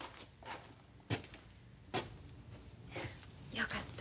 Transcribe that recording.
よかった。